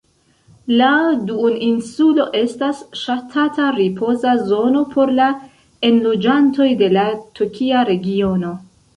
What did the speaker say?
La duoninsulo estas ŝatata ripoza zono por la enloĝantoj de la tokia regiono.